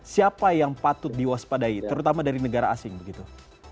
siapa yang patut diwaspadai terutama dari negara asing begitu